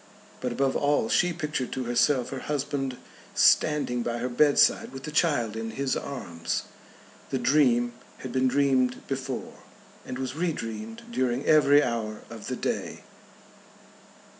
But above all she pictured to herself her husband standing by her bedside with the child in his arms. The dream had been dreamed before, and was re dreamed during every hour of the day.